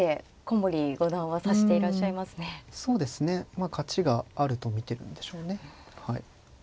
まあ勝ちがあると見てるんでしょうね。